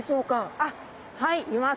あっはいいます。